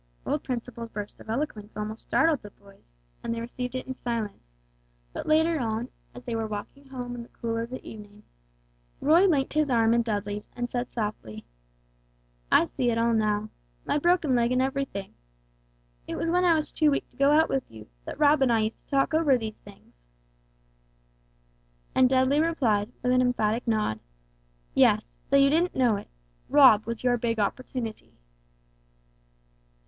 Old Principle's burst of eloquence almost startled the boys, and they received it in silence; but later on, as they were walking home in the cool of the evening Roy linked his arm in Dudley's and said softly "I see it all now. My broken leg and everything. It was when I was too weak to go out with you, that Rob and I used to talk over these things." And Dudley replied, with an emphatic nod, "Yes, though you didn't know it, Rob was your big opportunity."